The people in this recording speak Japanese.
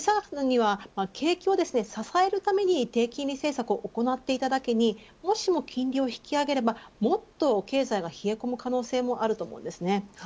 景気を下支えるするための低金利政策を行っていただけにもしも金利を引き上げればもっと経済は冷え込む可能性もあります。